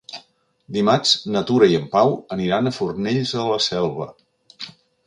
Dimarts na Tura i en Pau aniran a Fornells de la Selva.